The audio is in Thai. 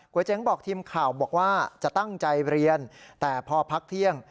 เจ๋งบอกทีมข่าวบอกว่าจะตั้งใจเรียนแต่พอพักเที่ยง